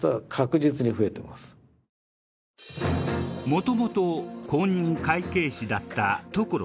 もともと公認会計士だった所社長。